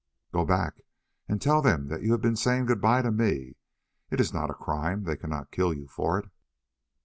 "Go back and tell them that you have been saying good bye to me. It is not a crime; they cannot kill you for it."